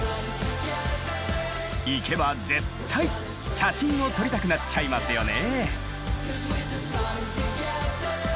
行けば絶対写真を撮りたくなっちゃいますよね。